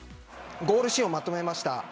ゴールシーンをまとめました。